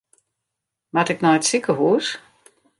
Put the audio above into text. Moat ik nei it sikehûs?